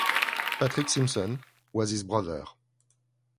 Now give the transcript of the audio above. Patrick Simson was his brother.